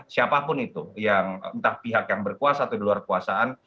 siapapun itu yang entah pihak yang berkuasa atau di luar kekuasaan